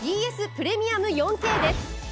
プレミアム４Ｋです。